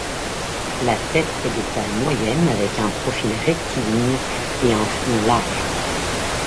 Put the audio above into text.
La tête est de taille moyenne, avec un profil rectiligne et un front large.